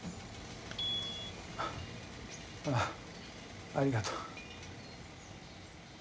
ああありがとう。